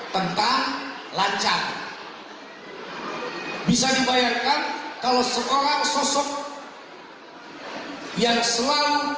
tentang lancar bisa dibayarkan kalau seorang sosok yang selalu